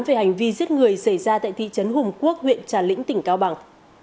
về hành vi giết người xảy ra tại thị trấn hùng quốc huyện trà lĩnh tỉnh cao bằng